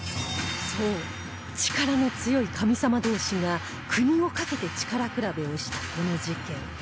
そう力の強い神様同士が国を懸けて力比べをしたこの事件